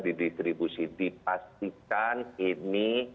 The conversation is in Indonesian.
di distribusi dipastikan ini